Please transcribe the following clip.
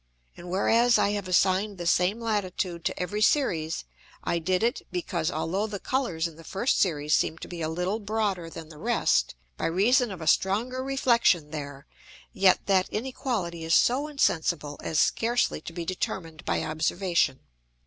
And whereas I have assign'd the same Latitude to every Series, I did it, because although the Colours in the first Series seem to be a little broader than the rest, by reason of a stronger Reflexion there, yet that inequality is so insensible as scarcely to be determin'd by Observation.